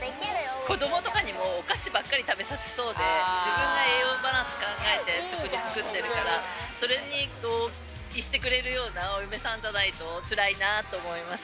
子どもとかにも、お菓子ばっかり食べさせそうで、自分が栄養バランス考えて食事作ってるから、それに同意してくれるようなお嫁さんじゃないとつらいなと思いま